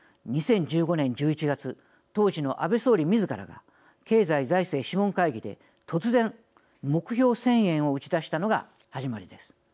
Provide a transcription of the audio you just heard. ２０１５年１１月当時の安倍総理みずからが経済財政諮問会議で突然、目標１０００円を打ち出したのが始まりです。